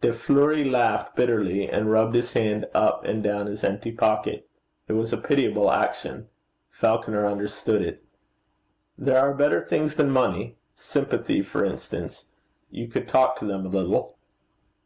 De Fleuri laughed bitterly, and rubbed his hand up and down his empty pocket. It was a pitiable action. Falconer understood it. 'There are better things than money: sympathy, for instance. You could talk to them a little.'